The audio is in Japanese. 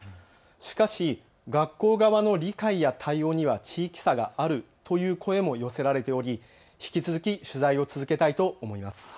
しかし学校側の理解や対応には地域差があるという声も寄せられており、引き続き取材を続けたいと思います。